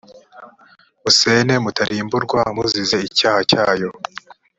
musene mutarimburwa muzize icyaha cyayo